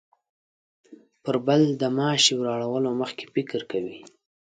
پر بل د ماشې وراړولو مخکې فکر کوي.